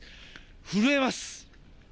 震えます。